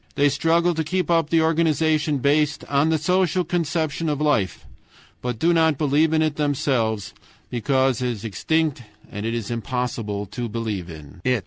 They struggle to keep up the organization based on the social conception of life, but do not believe in it themselves, because it is extinct and it is impossible to believe in it.